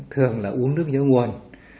thường là uống nước nhớ nguồn